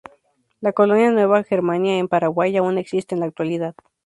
La colonia Nueva Germania en Paraguay aún existe en la actualidad.